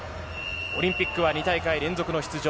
オリンピックは２大会連続の出場。